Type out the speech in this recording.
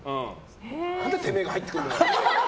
何でてめえが入ってくるんだよ。